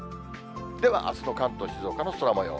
ではあすの関東、静岡の空もよう。